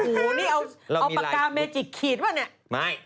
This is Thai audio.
โหนี่เอาปากกาเมจิกขีดปะเนี่ย